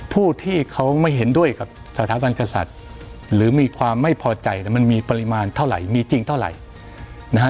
ผู้ที่เขาไม่เห็นด้วยกับสถาบันกษัตริย์หรือมีความไม่พอใจมันมีปริมาณเท่าไหร่มีจริงเท่าไหร่นะฮะ